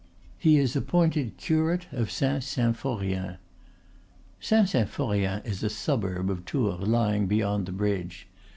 He is appointed curate of Saint Symphorien." Saint Symphorien is a suburb of Tours lying beyond the bridge.